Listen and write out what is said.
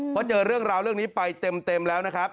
เพราะเจอเรื่องราวเรื่องนี้ไปเต็มแล้วนะครับ